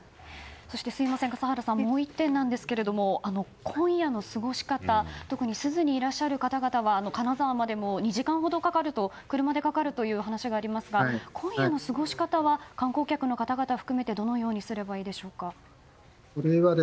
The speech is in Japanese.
そして、笠原さんもう一点なんですけれども今夜の過ごし方特に珠洲にいらっしゃる方々は金沢まで２時間車でかかるという話がありますが今夜の過ごし方は観光客の方々含めてどのようにすればいいでしょうか。